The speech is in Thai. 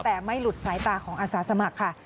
แต่ไม่หลุดสายตาของอาสาสมัครค่ะ